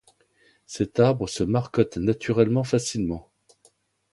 Cet arbre se marcotte naturellement facilement.